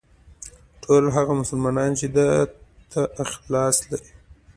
ټول هغه مسلمانان چې ده ته اخلاص لري.